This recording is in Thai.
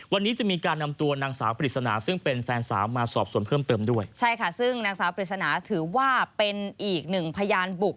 วันนี้จะมีการนำตัวนางสาวปริศนาซึ่งเป็นแฟนสาวมาสอบส่วนเพิ่มเติมด้วย